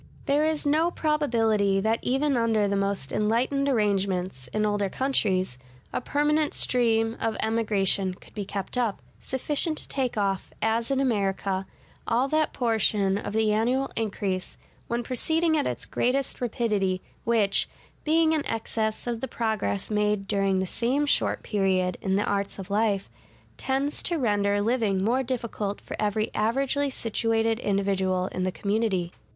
There is no probability that even under the most enlightened arrangements (in older countries) a permanent stream of emigration could be kept up, sufficient to take off, as in America, all that portion of the annual increase (when proceeding at its greatest rapidity) which, being in excess of the progress made during the same short period in the arts of life, tends to render living more difficult for every averagely situated individual in the community.